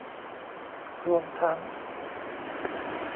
รวมทั้ง